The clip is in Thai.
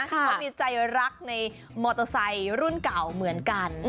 เขามีใจรักในมอเตอร์ไซค์รุ่นเก่าเหมือนกัน